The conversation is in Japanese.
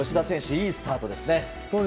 いいスタートですね。